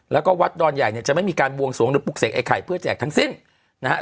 แล้วก็วัดดอนใหญ่เนี่ยจะไม่มีการบวงสวงหรือปลูกเสกไอ้ไข่เพื่อแจกทั้งสิ้นนะฮะ